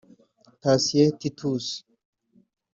Thatien Titus